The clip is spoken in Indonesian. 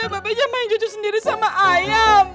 bapak aja main cucu sendiri sama ayam